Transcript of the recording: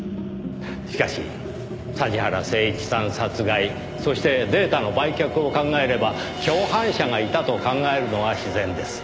しかし桟原誠一さん殺害そしてデータの売却を考えれば共犯者がいたと考えるのが自然です。